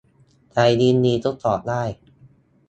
ใช้ลิงก์นี้ทดสอบได้